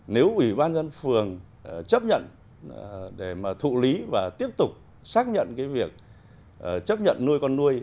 nếu ủy ban dân phường chấp nhận để mà thụ lý và tiếp tục xác nhận cái việc chấp nhận nuôi con nuôi